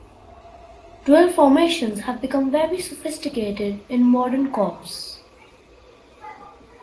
Drill formations have become very sophisticated in modern corps.